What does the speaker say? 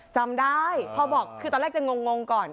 จำได้พ่อบอกคือตอนแรกจะงงก่อน